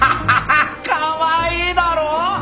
かわいいだろ！